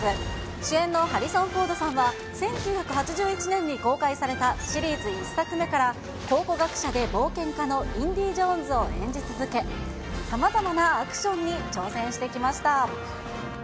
主演のハリソン・フォードさんは１９８１年に公開されたシリーズ１作目から、考古学者で冒険家のインディ・ジョーンズを演じ続け、さまざまなアクションに挑戦してきました。